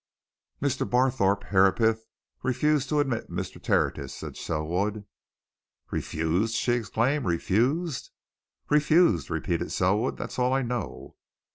"Mr. Barthorpe Herapath refused to admit Mr. Tertius," said Selwood. "Refused?" she exclaimed. "Refused?" "Refused," repeated Selwood. "That's all I know."